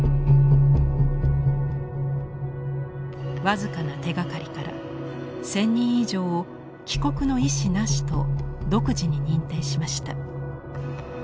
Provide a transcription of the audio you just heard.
僅かな手がかりから１，０００人以上を帰国の意思なしと独自に認定しました。